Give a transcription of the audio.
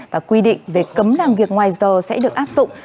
và quy định về cấm làm việc ngoài giờ sẽ được áp dụng